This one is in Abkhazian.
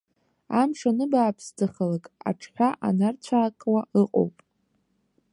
Амш аныбааԥсӡахалак, аҽҳәа анарцәаакуа ыҟоуп.